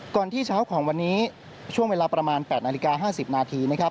ที่เช้าของวันนี้ช่วงเวลาประมาณ๘นาฬิกา๕๐นาทีนะครับ